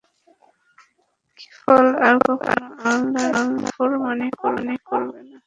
কিফল আর কখনও আল্লাহর নাফরমানী করবে না।